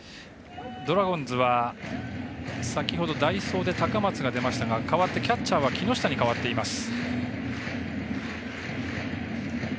ドラゴンズは先ほど代走で高松が出ましたがキャッチャーは木下に代わっています。